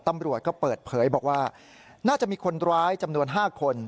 ตำรวจก็เปิดเผยบอกว่าน่าจะมีคนร้ายจำนวน๕คน